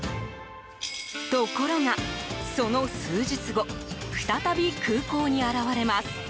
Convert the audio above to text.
ところが、その数日後再び空港に現れます。